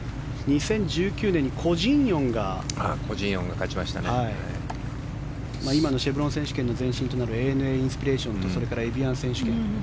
２０１９年にコ・ジンヨンが今のシェブロン選手権の前身となるＡＮＡインスピレーションとエビアン選手権。